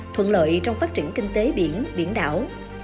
thuận lợi trong phát triển kinh tế biển biển đảo